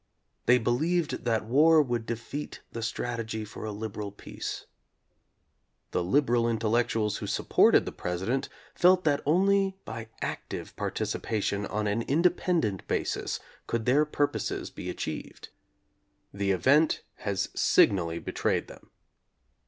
They believed that war would defeat the strategy for a liberal peace. The liberal intellectuals who supported the Presi dent felt that only by active participation on an independent basis could their purposes be [8 7 ] achieved. The event has signally betrayed them.